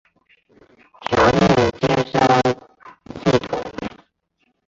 条件接收系统。